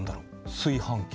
炊飯器。